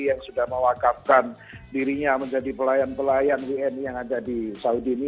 yang sudah mewakafkan dirinya menjadi pelayan pelayan wni yang ada di saudi ini